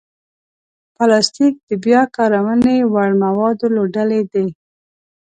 پلاستيک د بیا کارونې وړ موادو له ډلې دی.